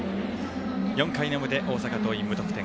４回の表大阪桐蔭、無得点。